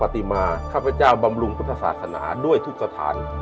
พระพัติมาข้าพเจ้าบำรุงทุกษาสถานะด้วยทุกสถาน